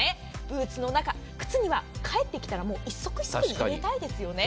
ブーツの中、靴には帰ってきたら１足１足に入れたいですよね。